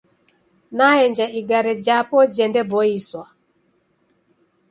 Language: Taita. Naenja igare japo jendeboiswa.